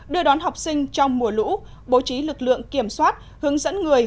đưa đón học sinh trong mùa lũ bố trí lực lượng kiểm soát hướng dẫn người